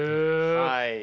はい。